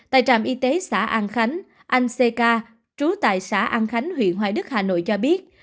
tại trạm y tế xã an khánh anh ck trú tại xã an khánh huyện hoài đức hà nội cho biết